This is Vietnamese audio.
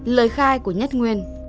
hai lời khai của nhất nguyên